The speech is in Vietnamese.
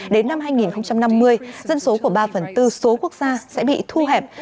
đến năm hai nghìn năm mươi dân số của ba phần tư số quốc gia sẽ bị thu hẹp